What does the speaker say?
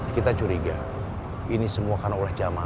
kita curiga ini semua karena ulah jamak